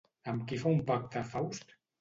Amb qui fa un pacte Faust?